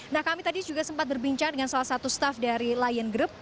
nah kami tadi juga sempat berbincang dengan salah satu staff dari lion group